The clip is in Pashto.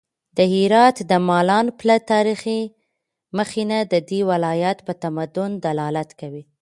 د هرات د مالان پله تاریخي مخینه د دې ولایت په تمدن دلالت کوي.